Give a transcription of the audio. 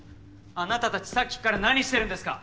あなた達さっきから何してるんですか！